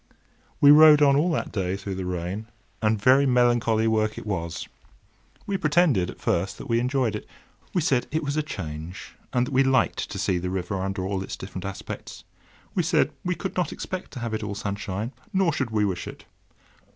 We rowed on all that day through the rain, and very melancholy work it was. We pretended, at first, that we enjoyed it. We said it was a change, and that we liked to see the river under all its different aspects. We said we could not expect to have it all sunshine, nor should we wish it.